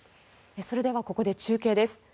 それではここで中継です。